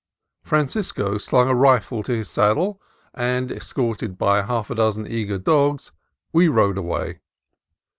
Francisco slung a rifle to his saddle, SYCAMORE CANON 71 and, escorted by half a dozen eager dogs, we rode away.